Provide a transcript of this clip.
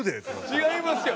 違いますよ！